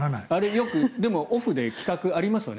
よくオフで企画がありますよね。